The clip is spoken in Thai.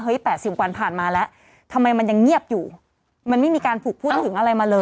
๘๐วันผ่านมาแล้วทำไมมันยังเงียบอยู่มันไม่มีการผูกพูดถึงอะไรมาเลย